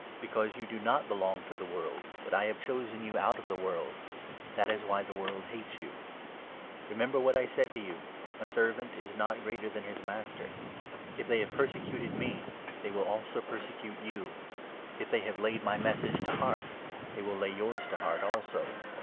Be cause you do not belong to the world, but I have chosen you out of the world — that is why the world hates you. Remember 20 what I said to 3rou —' A servant is not greater than his master.' If they have persecuted me, they will also persecute you ; if they have laid my Message to heart, they will lay yours to heart also.